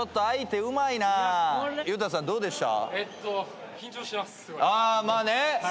ゆうたさんどうでした？